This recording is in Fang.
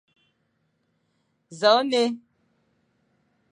Nẑakh nne,